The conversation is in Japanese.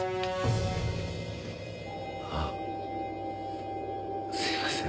あすいません。